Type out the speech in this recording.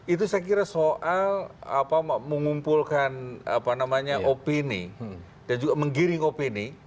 itu saya kira soal mengumpulkan opini dan juga menggiring opini